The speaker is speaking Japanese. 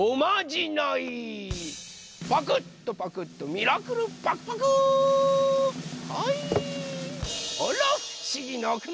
パクッとパクッとミラクルパクパク！